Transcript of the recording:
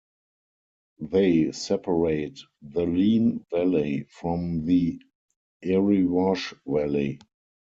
They separate the Leen Valley from the Erewash Valley.